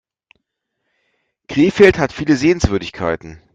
Krefeld hat viele Sehenswürdigkeiten